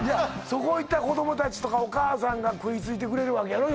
そこいったら子供達とかお母さんが食いついてくれるわけやろ？